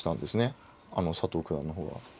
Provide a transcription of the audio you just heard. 佐藤九段の方は。